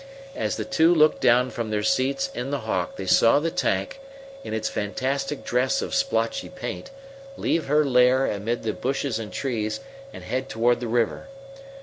As the two looked down from their seats In the Hawk they saw the tank, in its fantastic dress of splotchy paint, leave her lair amid the bushes and trees, and head toward the river.